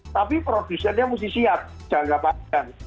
tapi producenya harus siap jangka panjang